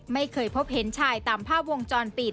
ไม่เคยพบเห็นชายตามภาพวงจรปิด